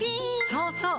そうそう！